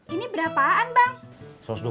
ini berapaan bang